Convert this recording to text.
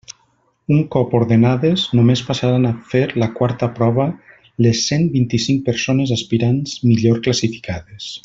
Un cop ordenades, només passaran a fer la quarta prova les cent vint-i-cinc persones aspirants millor classificades.